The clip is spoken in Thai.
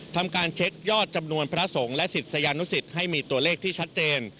ทำการเช็คยอดจำนวนพระสงฆ์และศิษยานุสิตให้มีตัวเลขที่ชัดเจน